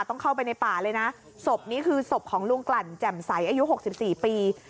ต้องเข้าไปในป่าเลยนะศพนี้คือศพของลุงกลั่นแจ่มใสอายุ๖๔ปี